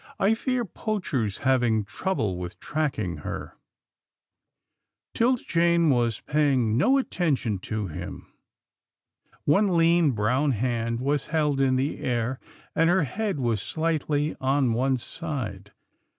I fear Poacher's having trouble with tracking her." 'Tilda Jane was paying no attention to him. One lean, brown hand was held in the air, and her head was slightly on one side.